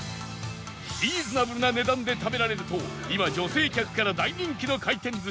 リーズナブルな値段で食べられると今女性客から大人気の廻転